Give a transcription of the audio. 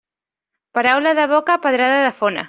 Paraula de boca, pedrada de fona.